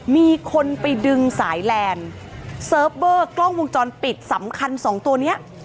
มีคนไปดึงสายแลนด์เซิร์ฟเวอร์กล้องวงจรปิดสำคัญสองตัวเนี้ย